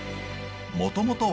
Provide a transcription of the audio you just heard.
もともとは。